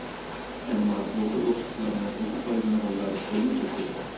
ئەمما ئۇ خىل ئوقۇشلۇقلارنى ئوقۇپ پايدىلىنىدىغانلار تولىمۇ چەكلىك.